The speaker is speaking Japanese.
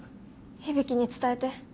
響に伝えて。